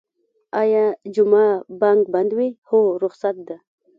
ایا جمعه بانک بند وی؟ هو، رخصت ده